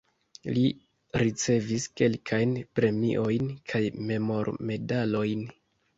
Li ricevis kelkajn premiojn kaj memormedalojn.